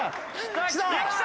きた！